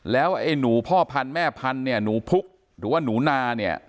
แล้วไอ้หนูพ่อพันธุ์แม่พันธุ์เนี่ยหนูพุกหรือว่าหนูนาเนี่ย